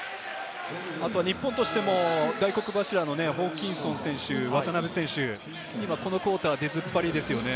日本としても大黒柱のホーキンソン選手、渡邊選手、このクオーター出ずっぱりですよね。